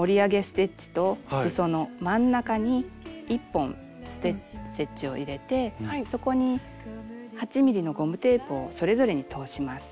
ステッチとすその真ん中に１本ステッチを入れてそこに８ｍｍのゴムテープをそれぞれに通します。